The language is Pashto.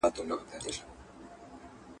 کومول هم د څه انعام لپاره تم سو.